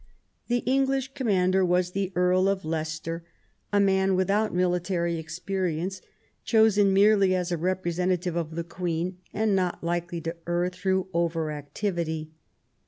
The English commander was the Earl of Leicester, a man without military experience, chosen merely as a representative of the Queen, and not likely to err through over activity.